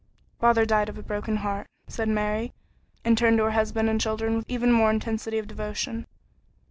"Father died of a broken heart," said Mary, and turned to her husband and children with even more intensity of devotion.